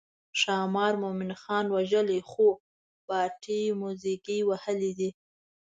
ښامار مومن خان وژلی خو باټې موزیګي وهلي دي.